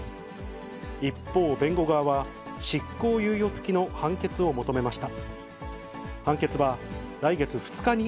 一方、弁護側は、執行猶予付きの判決を求めました。